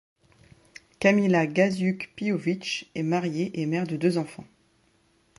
Kamila Gasiuk-Pihowicz est mariée et mère de deux enfants.